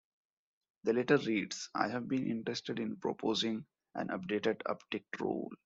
The letter reads, I have been interested in proposing an updated uptick rule.